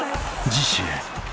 ［次週